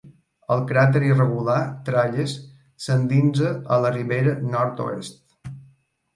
El crater irregular Tralles s'endinsa a la ribera nord-oest.